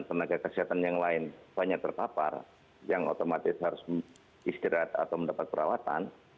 tenaga kesehatan yang lain banyak terpapar yang otomatis harus istirahat atau mendapat perawatan